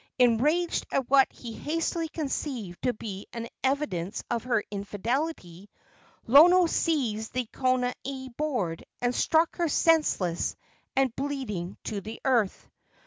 Enraged at what he hastily conceived to be an evidence of her infidelity, Lono seized the konane board and struck her senseless and bleeding to the earth.